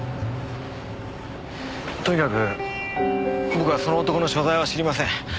とにかく僕はその男の所在は知りません。